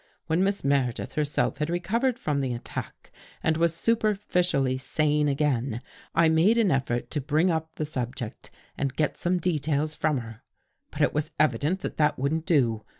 When Miss Meredith herself had recovered from the attack and was superficially sane again, I made an effort to bring up the subject and get some de tails from her. But it was evident that that wouldn't do.